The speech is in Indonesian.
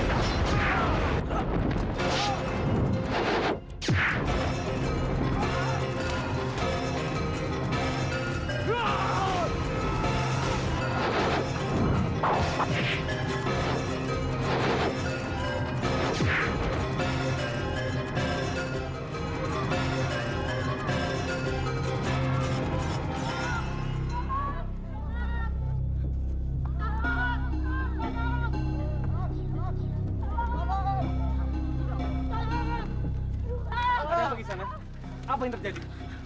ada yang pergi sana apa yang terjadi